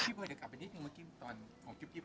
คุณพิพย์เดี๋ยวก่อนจะกลับไปที่จริงมาที่ตอน